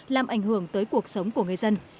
làm ảnh hưởng tới cuộc sống của người dân